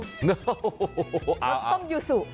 ส้มยูสุ